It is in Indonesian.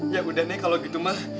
ya udah deh kalau gitu mah